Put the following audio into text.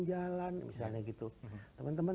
jalan misalnya gitu teman teman